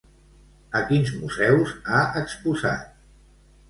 A quins museus ha exposat?